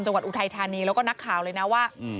อุทัยธานีแล้วก็นักข่าวเลยนะว่า